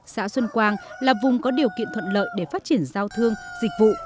xã xuân quang là vùng có điều kiện thuận lợi để phát triển giao thương dịch vụ